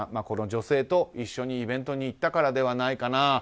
この女性と一緒にイベントに行ったからではないかな。